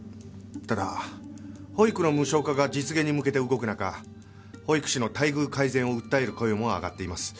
ただ保育の無償化が実現に向けて動く中保育士の待遇改善を訴える声も上がっています。